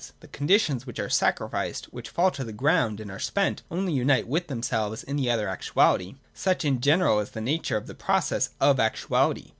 The conditions which are sacrificed, which fall to the ground and are spent, only unite with themselves in the other actuality. Such in general is the nature of the process of actuahty.